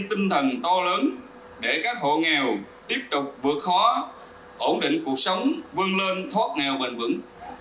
tinh thần to lớn để các hộ nghèo tiếp tục vượt khó ổn định cuộc sống vươn lên thoát nghèo bền vững